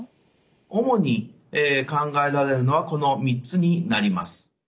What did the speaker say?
主に考えられるのはこの３つになります。